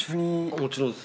もちろんです。